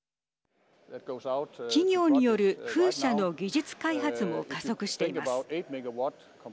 企業による風車の技術開発も加速しています。